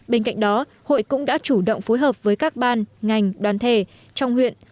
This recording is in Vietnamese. bên cạnh đó hội cũng đã chủ động phối hợp với các ban ngành đoàn thể trong huyện